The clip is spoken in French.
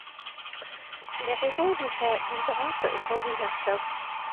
Les raisons de sa disgrâce sont diverses.